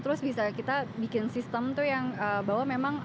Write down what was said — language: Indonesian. terus bisa kita bikin sistem itu yang bawa kita ke tempat yang lebih baik gitu ya